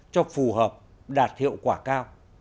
cho phù hợp đạt hiệu quả cao